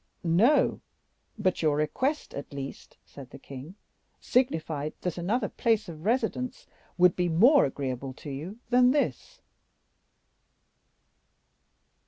"No, but your request, at least," said the king, "signified that another place of residence would be more agreeable to you than this."